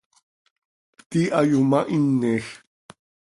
Pti hayomahinej.